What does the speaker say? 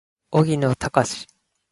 荻野貴司